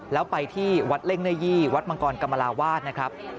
แล้วไปที่วัดเล่งเนื้อยี่วัดมังกรกรรมราวาสนะครับ